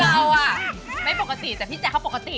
เราอ่ะไม่ปกติแต่พี่แจ๊เขาปกติ